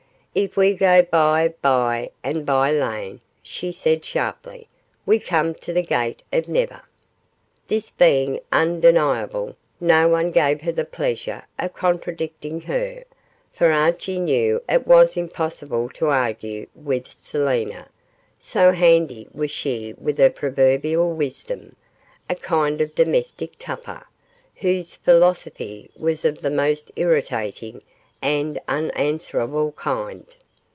'If we go by by and bye lane,' she said sharply, 'we come to the gate of never.' This being undeniable, no one gave her the pleasure of contradicting her, for Archie knew it was impossible to argue with Selina, so handy was she with her proverbial wisdom a kind of domestic Tupper, whose philosophy was of the most irritating and unanswerable kind.